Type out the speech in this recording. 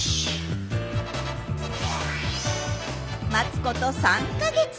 待つこと３か月。